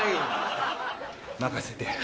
任せて。